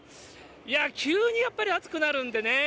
いや、急にやっぱり暑くなるんでね。